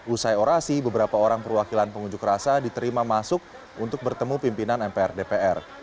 usai orasi beberapa orang perwakilan pengunjuk rasa diterima masuk untuk bertemu pimpinan mpr dpr